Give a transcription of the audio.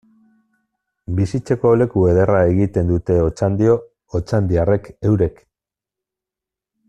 Bisitatzeko leku ederra egiten dute Otxandio otxandiarrek eurek.